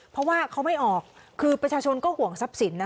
เพราะว่าเขาไม่ออกคือประชาชนก็ห่วงทรัพย์สินนะ